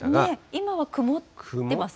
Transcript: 今は曇ってますかね？